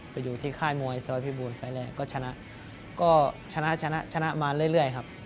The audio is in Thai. ไปอยู่ที่ค่ายมวยเซียดออสพี่บูลไฟต์แรกก็ชนะชนะมาเรื่อยครับ